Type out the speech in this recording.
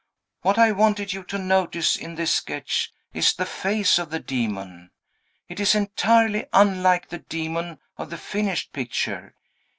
"What I wanted you to notice, in this sketch, is the face of the demon. It is entirely unlike the demon of the finished picture.